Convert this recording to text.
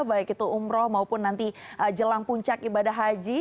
baik itu umroh maupun nanti jelang puncak ibadah haji